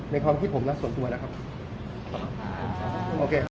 ในความคิดผมนัดส่วนตัวนะครับ